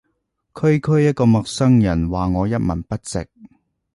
區區一個陌生人話我一文不值